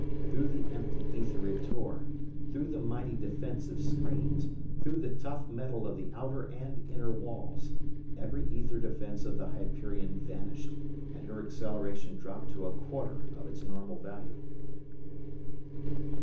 Through the empty ether it tore, through the mighty defensive screens, through the tough metal of the outer and inner walls. Every ether defence of the Hyperion vanished, and her acceleration dropped to a quarter of its normal value.